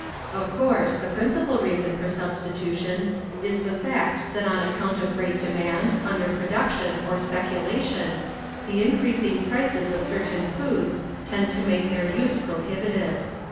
Of course the principal reason for substitution is the fact that on account of great demand, under production or speculation, the increasing prices of certain foods tend to make their use pro hibitive.